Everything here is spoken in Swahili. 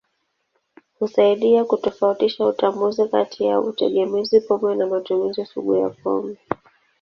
Husaidia kutofautisha utambuzi kati ya utegemezi pombe na matumizi sugu ya pombe.